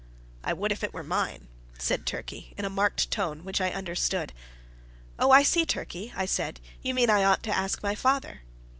"I would if it were mine" said Turkey, in a marked tone, which I understood. "Oh! I see, Turkey," I said. "You mean I ought to ask my father."